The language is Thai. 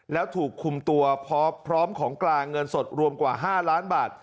แล้วถูกคุมตัวพร้อมของกลางเงินสดรวมกว่า๕ล้านบาท